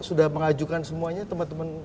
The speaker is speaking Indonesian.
sudah mengajukan semuanya teman teman